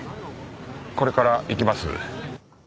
これから行きます。